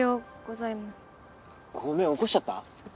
ごめん起こしちゃった？